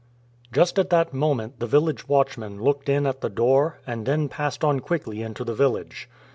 Just at that moment the village watchman looked in at the door, and then passed on quickly into the village.